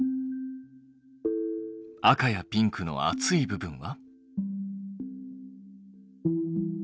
赤やピンクの熱い部分は？